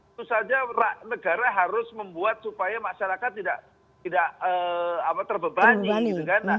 itu saja negara harus membuat supaya masyarakat tidak terbebani